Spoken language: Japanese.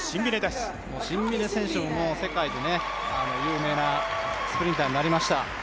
シンビネ選手も世界に誇れるスプリンターになりました。